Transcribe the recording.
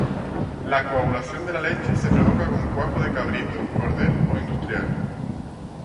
La coagulación de la leche se provoca con cuajo de cabrito, cordero o industrial.